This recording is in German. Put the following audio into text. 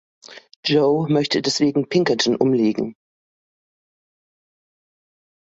Joe möchte deswegen Pinkerton umlegen.